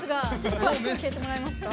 詳しく教えてもらえますか。